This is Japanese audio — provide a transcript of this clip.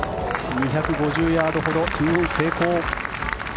２５０ヤードほど２オン成功。